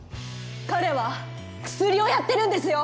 彼はクスリをやってるんですよ！